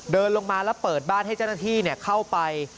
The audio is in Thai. เดินลงมาแล้วเปิดบ้านให้เจ้าหน้าที่เข้าไป